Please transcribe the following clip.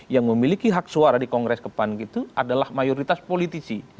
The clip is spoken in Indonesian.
yang memiliki hak suara di kongres kepan itu adalah mayoritas politisi